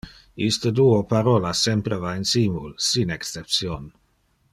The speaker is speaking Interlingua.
Iste duo parolas sempre va insimul, sin exception.